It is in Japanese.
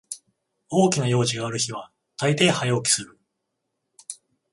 大きな用事がある日はたいてい早起きする